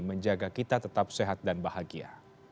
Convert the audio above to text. menjaga kita tetap sehat dan bahagia